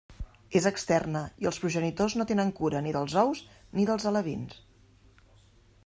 És externa i els progenitors no tenen cura ni dels ous ni dels alevins.